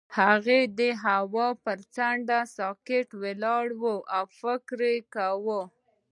هغه د هوا پر څنډه ساکت ولاړ او فکر وکړ.